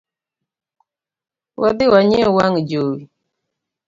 Wadhi wanyiew wang jowi.